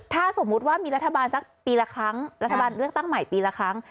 ถ้าสมมุติว่ามีรัฐบาลสักปีละครั้งรัฐบาลเลือกตั้งใหม่ปีละครั้ง